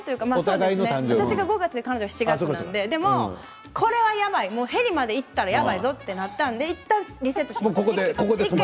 私が５月で彼女が７月なのでヘリまで行ったらやばいぞとなったのでいったんリセットしました。